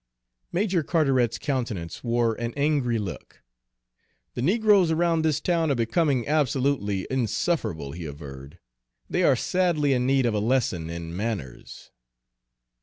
Major Carteret's countenance wore an angry look. "The negroes around this town are becoming absolutely insufferable," he averred. "They are sadly in need of a lesson in manners."